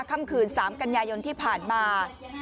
ค่ำคืน๓กันยายนที่ผ่านมา